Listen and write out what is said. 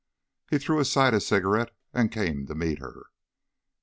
He threw aside his cigarette and came to meet her.